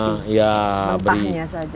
masih mentahnya saja